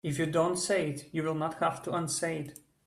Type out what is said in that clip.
If you don't say it you will not have to unsay it.